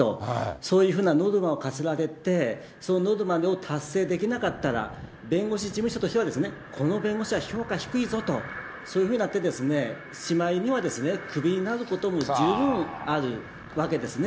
そういうふうなノルマを課せられて、そのノルマを達成できなかったら、弁護士事務所としてはですね、この弁護士は評価低いぞと、そういうふうになってですね、しまいには、クビになることも十分あるわけですね。